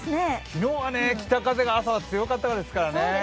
昨日は北風が朝、強かったですからね。